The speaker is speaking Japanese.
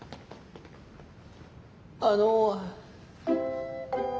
あの。